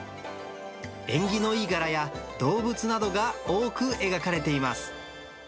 縁起のいい柄や動物などが多く描かれています。